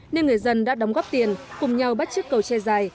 nên người dân đã đóng góp tiền cùng nhau bắt chiếc cầu treo dài